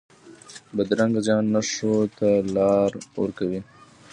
بدرنګه ذهن نه ښو ته لار ورکوي